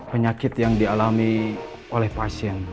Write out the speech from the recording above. penyakit yang dialami oleh pasien